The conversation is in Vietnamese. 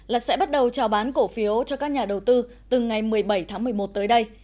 là sẽ bắt đầu trào bán cổ phiếu cho các nhà đầu tư từ ngày một mươi bảy tháng một mươi một tới đây